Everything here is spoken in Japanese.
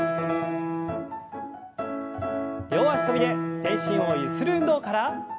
両脚跳びで全身をゆする運動から。